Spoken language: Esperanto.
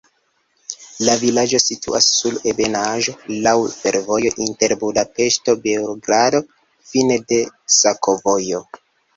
La vilaĝo situas sur ebenaĵo, laŭ fervojo inter Budapeŝto-Beogrado, fine de sakovojo.